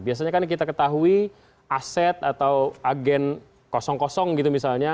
biasanya kan kita ketahui aset atau agen kosong kosong gitu misalnya